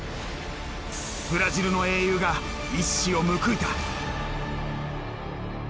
ブラジルの英雄が一矢を報いた。